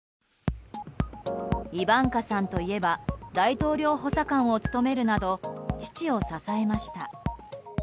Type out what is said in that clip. イバンカさんといえば大統領補佐官を務めるなど父を支えました。